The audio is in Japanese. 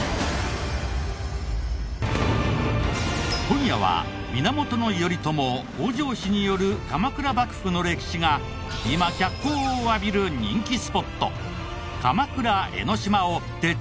今夜は源頼朝北条氏による鎌倉幕府の歴史が今脚光を浴びる人気スポット